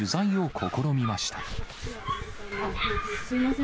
すみません。